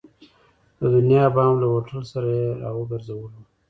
د دنیا بام له هوټل سره یې را وګرځولو.